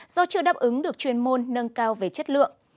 do chưa đáp ứng được chuyên môn nâng cao về chất lượng